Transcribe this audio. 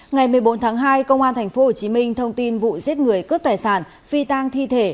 ngày một mươi bốn tháng hai công an tp hcm thông tin vụ giết người cướp tài sản phi tang thi thể